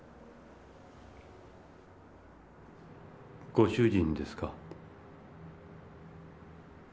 ご主人ですか？